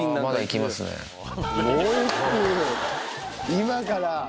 今から？